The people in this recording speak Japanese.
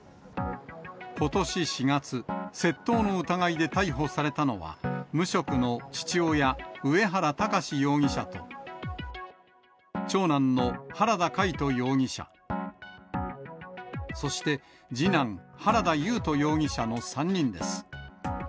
ことし４月、窃盗の疑いで逮捕されたのは、無職の父親、上原巌容疑者と、長男の原田魁斗容疑者、そして次男、原田優斗容疑者の３人です。